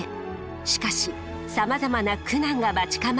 しかしさまざまな苦難が待ち構えています。